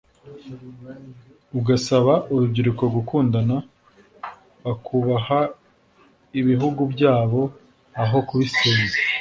agasaba urubyiruko gukundana bakubaka ibihugu byabo aho kubisenya